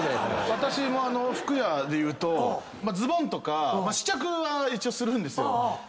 私も服屋でいうとズボンとか試着は一応するんですよ。